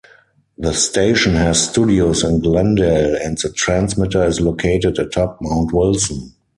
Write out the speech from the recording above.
The station has studios in Glendale, and the transmitter is located atop Mount Wilson.